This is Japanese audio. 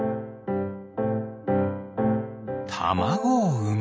たまごをうむ。